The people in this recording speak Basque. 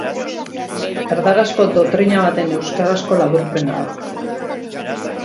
Erdarazko dotrina baten euskarazko laburpena da.